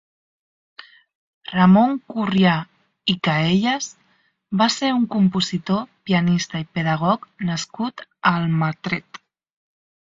Ramon Currià i Caelles va ser un compositor, pianista i pedagog nascut a Almatret.